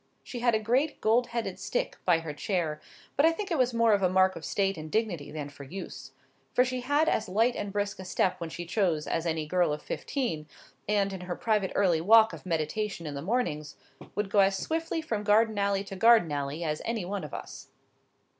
She had a great gold headed stick by her chair; but I think it was more as a mark of state and dignity than for use; for she had as light and brisk a step when she chose as any girl of fifteen, and, in her private early walk of meditation in the mornings, would go as swiftly from garden alley to garden alley as any one of us.